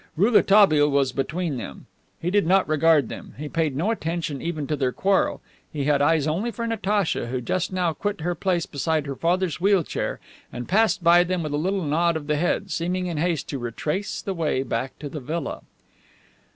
Rouletabille was between them. He did not regard them; he paid no attention even to their quarrel; he had eyes only for Natacha, who just now quit her place beside her father's wheel chair and passed by them with a little nod of the head, seeming in haste to retrace the way back to the villa.